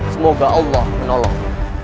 semoga allah menolongmu